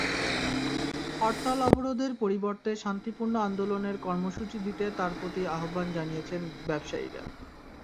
হরতাল-অবরোধের পরিবর্তে শান্তিপূর্ণ আন্দোলনের কর্মসূচি দিতে তাঁর প্রতি আহ্বান জানিয়েছেন ব্যবসায়ীরা।